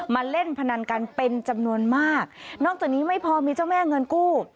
เล่นพนันกันเป็นจำนวนมากนอกจากนี้ไม่พอมีเจ้าแม่เงินกู้